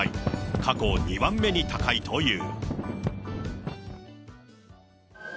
過去２番目に高いという。